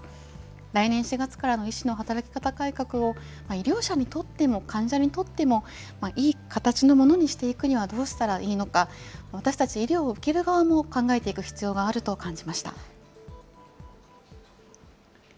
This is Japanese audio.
来年４月からの医師の働き方改革を医療者にとっても患者にとっても、いい形のものにしていくにはどうしたらいいのか、私たち医療を受ける側も考えていく必要があると感じました。